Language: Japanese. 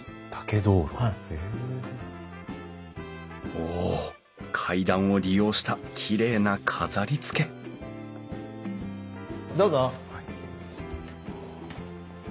お階段を利用したきれいな飾りつけどうぞ。